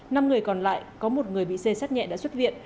năm người còn lại có một người bị xê sát nhẹ đã xuất viện